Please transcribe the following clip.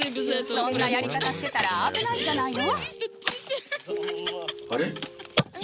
そんなやり方してたら、危ないんじゃないの？